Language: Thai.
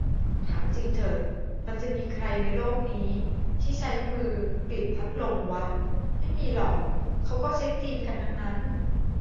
ถามจริงเถอะมันจะมีใครในโลกนี้ที่ใช้มือปิดพัดลมวะ ไม่มีหรอก เค้าก็ใช้ตีนกันทั้งนั้น